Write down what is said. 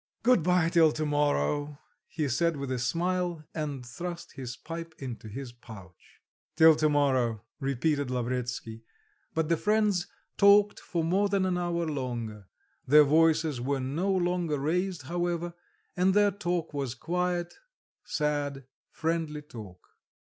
"Good bye till to morrow," he said with a smile, and thrust his pipe into his pouch. "Till to morrow," repeated Lavretsky. But the friends talked for more than an hour longer. Their voices were no longer raised, however, and their talk was quiet, sad, friendly talk.